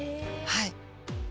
はい。